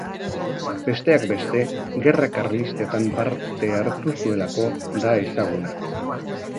Besteak beste, Gerra Karlistetan parte hartu zuelako da ezaguna.